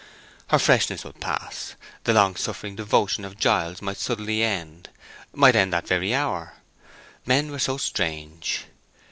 Her freshness would pass, the long suffering devotion of Giles might suddenly end—might end that very hour. Men were so strange.